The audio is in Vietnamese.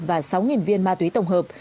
và sáu viên ma túy tổng hợp